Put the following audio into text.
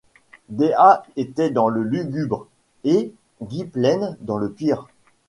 Dea était dans le lugubre, et Gwynplaine dans le pire.